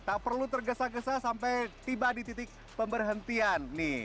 tak perlu tergesa gesa sampai tiba di titik pemberhentian nih